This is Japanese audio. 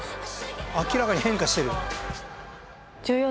明らかに変化してる。